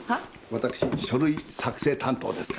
私書類作成担当ですから。